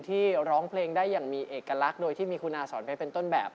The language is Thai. ร้องเพลงได้อย่างมีเอกลักษณ์โดยที่มีคุณอาสอนไว้เป็นต้นแบบ